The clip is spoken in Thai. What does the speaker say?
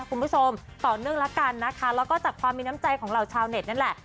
คุณผู้ชมต่อเนื่องกันนะคะและจากความมีน้ำใจของหล่าวชาวเน็ตแหละ